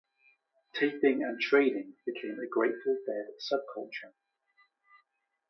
Taping and trading became a Grateful Dead sub-culture.